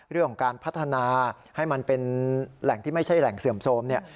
เรื่องของการพัฒนาให้มันเป็นแหล่งที่ไม่ใช่แหล่งเสื่อมโทรมเนี่ย